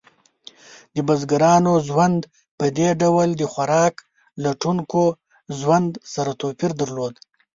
د بزګرانو ژوند په دې ډول د خوراک لټونکو ژوند سره توپیر درلود.